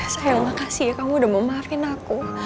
saya makasih ya kamu udah memaafin aku